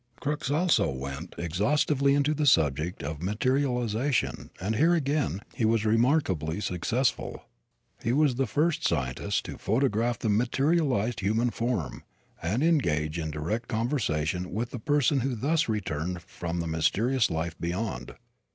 Crookes also went exhaustively into the subject of materialization and here, again, he was remarkably successful. He was the first scientist to photograph the materialized human form and engage in direct conversation with the person who thus returned from the mysterious life beyond.